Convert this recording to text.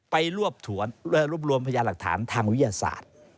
ไปรวบรวมพยาหลักฐานทางวิทยาศาสตร์